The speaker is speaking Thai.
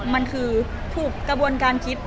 มันคือถูกกระบวนการคิด